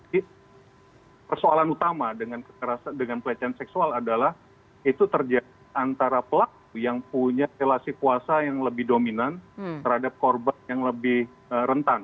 jadi persoalan utama dengan kekerasan seksual adalah itu terjadi antara pelaku yang punya relasi puasa yang lebih dominan terhadap korban yang lebih rentan